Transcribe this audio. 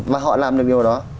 và họ làm được điều đó